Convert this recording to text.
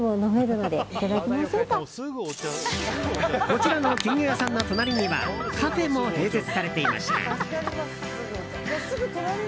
こちらの金魚屋さんの隣にはカフェも併設されていました。